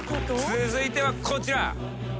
続いてはこちら。